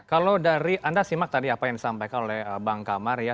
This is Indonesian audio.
kalau dari anda simak tadi apa yang disampaikan oleh bang kamar ya